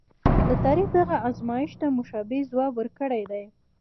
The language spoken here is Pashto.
د تاریخ دغه ازمایښت ته مشابه ځواب ورکړی دی.